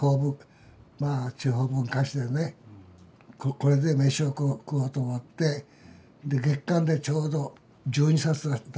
これで飯を食おうと思ってで月刊でちょうど１２冊出してね。